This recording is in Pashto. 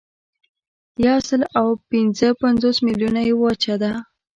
یوسلاوپینځهپنځوس میلیونه یې وچه ده.